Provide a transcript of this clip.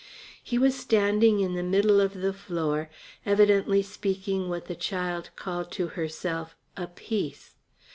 He was standing in the middle of the floor evidently speaking what the child called to herself "a piece."